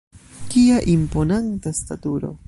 Kia imponanta staturo!